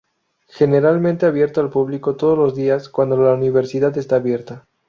Generalmente abierto al público todos los días cuando la universidad está abierta.